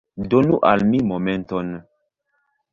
Donu al mi momenton!